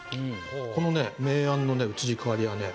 このね明暗の移り変わりはね